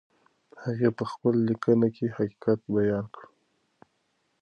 هغې په خپله لیکنه کې حقیقت بیان کړ.